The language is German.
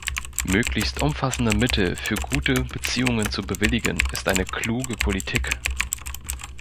Möglichst umfassende Mittel für gute Beziehungen zu bewilligen ist eine kluge Politik.